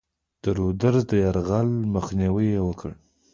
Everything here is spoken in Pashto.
د رودز د یرغل مخنیوی یې وکړ.